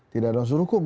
tidak ada langsung hukum